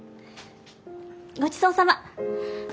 ごちそうさま。